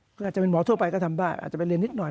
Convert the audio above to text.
ก็อาจจะเป็นหมอทั่วไปก็ทำได้อาจจะไปเรียนนิดหน่อย